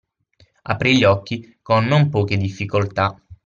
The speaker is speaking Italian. Aprì gli occhi con non poche difficoltà.